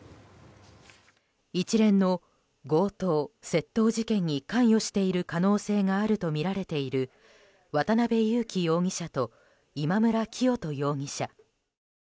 一連の強盗・窃盗事件に関与している可能性があるとみられている渡邉優樹容疑者と今村磨人容疑者。